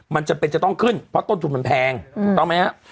มันจำเป็นจะต้องขึ้นเพราะต้นทุนมันแพงถูกต้องไหมครับ